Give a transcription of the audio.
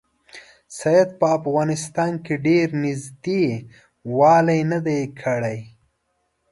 سید په افغانستان کې ډېر نیژدې والی نه دی کړی.